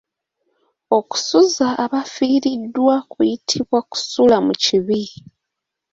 Okusuza abafiiriddwa kuyitibwa Kusula mu kibi.